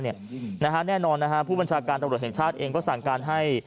แน่นอนผู้บัญชาการตำรวจแห่งชาติเองก็สั่งการให้